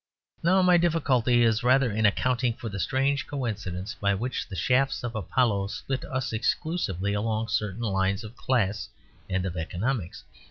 No; my difficulty is rather in accounting for the strange coincidence by which the shafts of Apollo split us exclusively along certain lines of class and of economics.